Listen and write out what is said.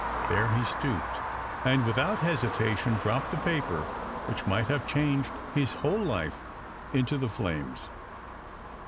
There he stooped, and without hesitation dropped the paper, which might have changed his whole life, into the flames.